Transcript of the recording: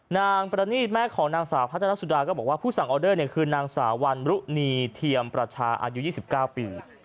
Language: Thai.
นางประณีตแม่ของนางสาวพัฒนาสุดาก็บอกว่าผู้สั่งออเดอร์คือนางสาววันรุณีเทียมประชาอายุ๒๙ปี